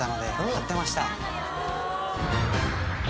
張ってました。